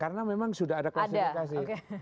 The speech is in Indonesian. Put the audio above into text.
karena memang sudah ada klasifikasi